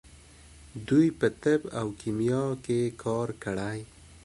دوی په طب او کیمیا کې کار کړی.